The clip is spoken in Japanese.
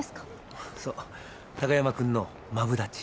あっそう貴山君のマブダチ。